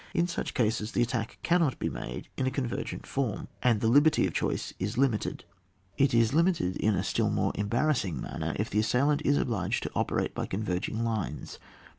In such cases, the attack cannot be made in a convergent form, and the liberty of choice is limited. It is limited in a still 76 ON WAB. more embarrassing manner if the assailant is obliged to operate by converging lines.